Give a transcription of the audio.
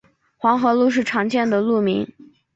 黄河路是常见的路名。